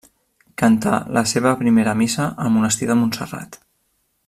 Cantà la seva primera missa al monestir de Montserrat.